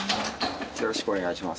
よろしくお願いします。